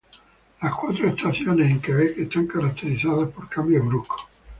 Las cuatro estaciones en Quebec están caracterizadas por cambios bruscos.